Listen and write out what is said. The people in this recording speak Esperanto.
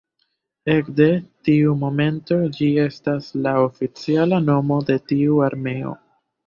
Ekde tiu momento ĝi estas la oficiala nomo de tiu armeo.